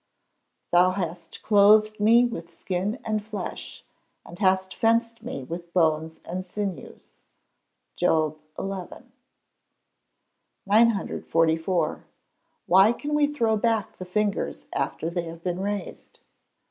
[Verse: "Thou hast clothed me with skin and flesh, and hast fenced me with bones and sinews." JOB XI.] 944. _Why can we throw back the fingers after they have been raised?